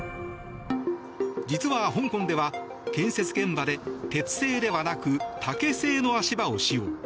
実は香港では建設現場で鉄製ではなく竹製の足場を使用。